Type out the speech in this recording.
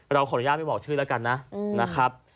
เราขออนุญาตไปบอกชื่อแล้วกันนะ